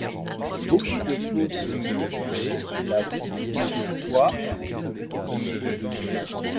Beaucoup de fausses circulaient et la vérification du poids permettait de les reconnaître.